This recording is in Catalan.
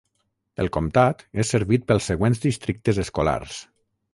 El comtat és servit pels següents districtes escolars.